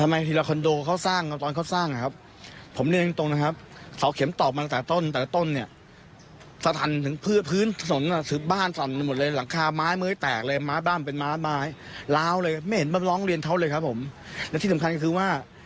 ไม่เคยกระทบแรงนิดเดียว